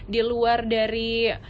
di luar dari